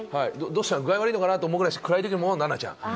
具合が悪いのかな？というぐらい、おとなしいのも奈々ちゃん。